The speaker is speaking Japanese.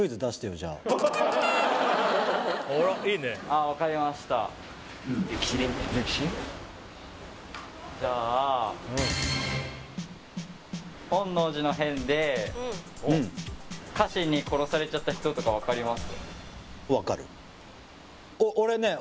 じゃあ本能寺の変でうん家臣に殺されちゃった人とか分かります？